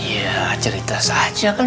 ya cerita saja kan